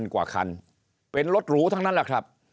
กว่าคันเป็นรถหรูทั้งนั้นแหละครับ